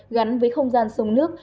gắn với không gian sông nước